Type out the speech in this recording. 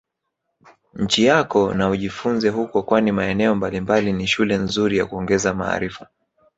nchi yako na ujifunze huko kwani maeneo mbalimbali ni shule nzuri ya kuongeza maarifa